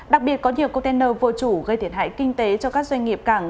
đặc biệt có nhiều container vô chủ gây thiệt hại kinh tế cho các doanh nghiệp cảng